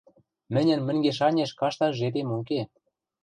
Мӹньӹн мӹнгеш-анеш кашташ жепем уке.